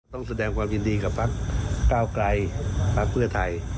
ต้องแสดงความยินดีกับพักก้าวไกลพักเพื่อไทย